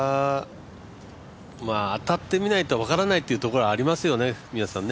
当たってみないと分からないところはありますよね。